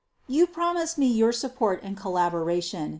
. You promised me your support and collaboration